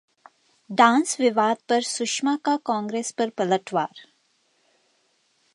dance विवाद पर सुषमा का कांग्रेस पर पलटवार